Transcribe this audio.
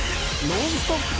ノンストップ！